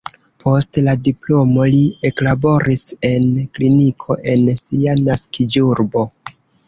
Post la diplomo li eklaboris en kliniko en sia naskiĝurbo.